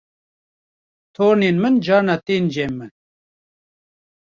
tornên min carna tên cem min